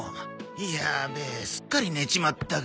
やべえすっかり寝ちまったか。